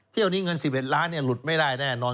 เที่ยวนี้เงิน๑๑ล้านหลุดไม่ได้แน่นอน